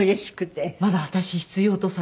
まだ私必要とされているって。